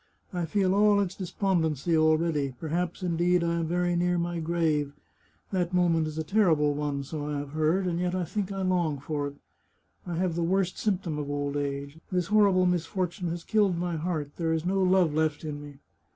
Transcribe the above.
I feel all its despondency already; perhaps, indeed, I am very near my grave. That moment is a terrible one, so I have heard, and yet I think I long for it, I have the worst symptom of old age. This horrible misfortune has killed my heart; there is no love left in me.